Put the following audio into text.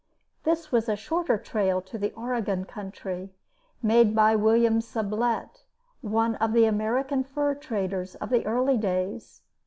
This was a shorter trail to the Oregon Country, made by William Sublette, one of the American fur traders of the early days.